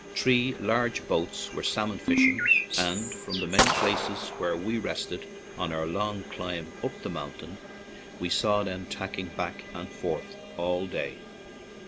Three large boats were salmon fishing, and from the many places where we rested on our long climb up the mountain we saw them tacking back and forth all day.